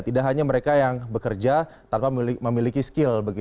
tidak hanya mereka yang bekerja tanpa memiliki skill